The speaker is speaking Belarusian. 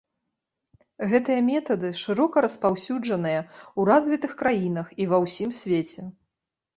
Гэтыя метады шырока распаўсюджаныя ў развітых краінах і ва ўсім свеце.